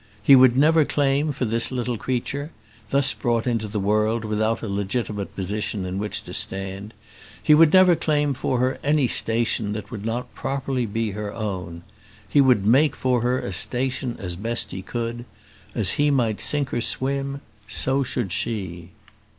He would never claim for this little creature thus brought into the world without a legitimate position in which to stand he would never claim for her any station that would not properly be her own. He would make for her a station as best he could. As he might sink or swim, so should she.